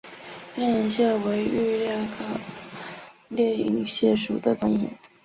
裂隐蟹为玉蟹科裂隐蟹属的动物。